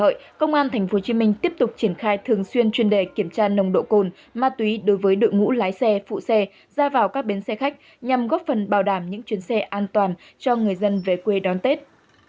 đội cảnh sát giao thông tp hcm tiếp tục đợt kiểm tra nồng độ cồn và test nhanh ma túy đối với nhiều tài xế xe khách